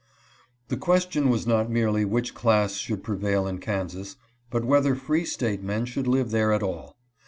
The question was not merely which class should prevail in Kansas, but whether free State men should live there at all.